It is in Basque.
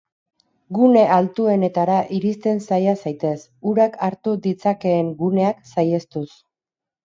Gune altuenetara iristen saia zaitez, urak hartu ditzakeen guneak saihestuz.